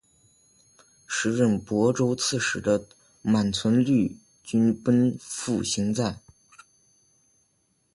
时任虢州刺史的满存率军奔赴行在。